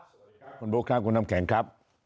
สวัสดีครับคุณบุคค่าคุณทำแขนครับ